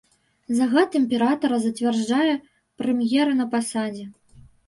Загад імператара зацвярджае прэм'ера на пасадзе.